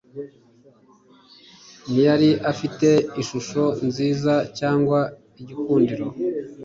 Ntiyari afite ishusho nziza cyangwa igikundiro,